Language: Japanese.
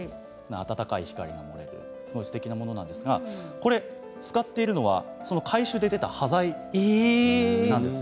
温かい光がすてきなものなんですが使っているのが回収で出た端材なんです。